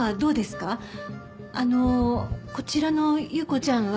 あのこちらのユウコちゃんは。